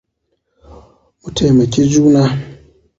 Mu taimaki juna.